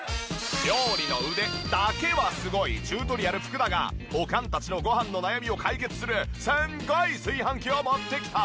料理の腕だけはすごいチュートリアル福田がおかんたちのごはんの悩みを解決するすごい炊飯器を持ってきた！